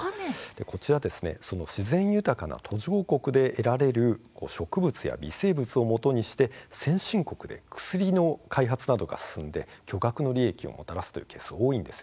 こちら、自然豊かな途上国で得られる植物や微生物をもとにして先進国で薬の開発などが進んで巨額の利益をもたらすというケースが多いんです。